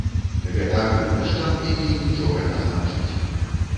Гэта агульны штамп, які нічога не значыць.